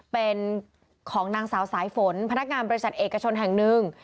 เป็นของนางสาวสายฝนพนักงานบริษัทเอกชนแห่งหนึ่ง